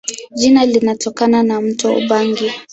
Jina linatokana na mto Ubangi.